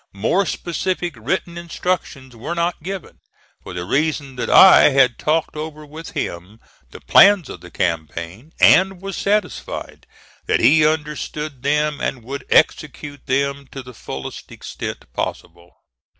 More specific written instructions were not given, for the reason that I had talked over with him the plans of the campaign, and was satisfied that he understood them and would execute them to the fullest extent possible.